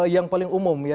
yang paling umum ya